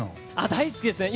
大好きですね。